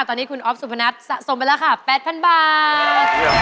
ตอนนี้คุณอ๊อฟสุพนัทสะสมไปแล้วค่ะ๘๐๐๐บาท